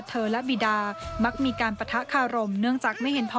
เธอและวีดาเหมือนมันบ้าจะเป็นแนว